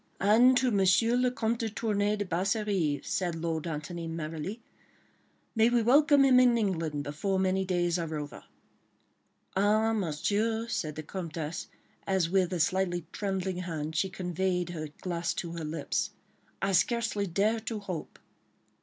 "And to M. le Comte de Tournay de Basserive," said Lord Antony, merrily. "May we welcome him in England before many days are over." "Ah, Monsieur," said the Comtesse, as with a slightly trembling hand she conveyed her glass to her lips, "I scarcely dare to hope."